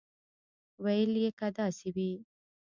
ویل یې که داسې وي.